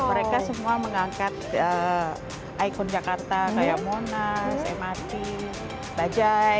mereka semua mengangkat ikon jakarta kayak monas mrt bajai